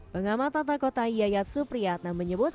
pengamat tata kota yayat supriyatna menyebut